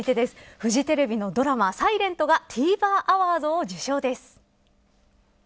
フジテレビのドラマｓｉｌｅｎｔがＴＶｅｒアワードを受賞です。